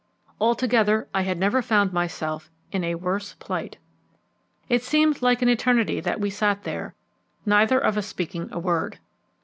Altogether I had never found myself in a worse plight. It seemed like an eternity that we sat there, neither of us speaking a word.